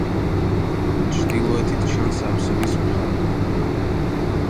ჩრდილოეთით ჩანს აბსიდის მხარი.